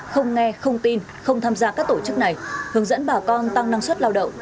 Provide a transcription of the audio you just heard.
không nghe không tin không tham gia các tổ chức này hướng dẫn bà con tăng năng suất lao động